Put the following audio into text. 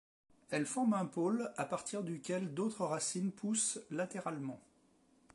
Elle forme un pôle à partir duquel d'autres racines poussent latéralement.